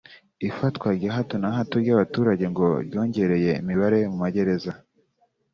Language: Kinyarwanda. Ifatwa rya hato na hato ry’abaturage ngo ryongereye imibare mu magereza